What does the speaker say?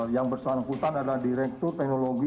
yang bersangkutan adalah direktur teknologi